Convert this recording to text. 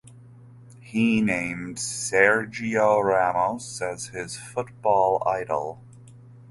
He named Sergio Ramos as his football idol.